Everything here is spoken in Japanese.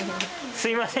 すみません